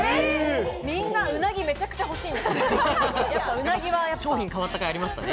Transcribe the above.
みんな、鰻、めちゃくちゃ欲しいんですね。